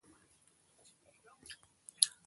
آیا چې یو بل ته لاس ورکوي؟